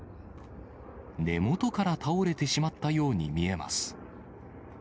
根元から倒れてしまったように見えます。